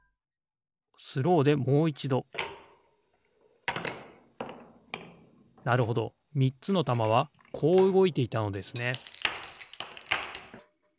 スローでもういちどなるほどみっつのたまはこううごいていたのですね